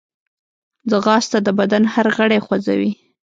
ځغاسته د بدن هر غړی خوځوي